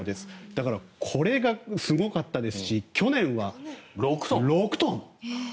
だから、これがすごかったですし去年は６トン。